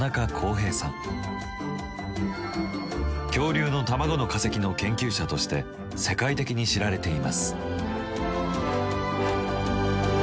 恐竜の卵の化石の研究者として世界的に知られています。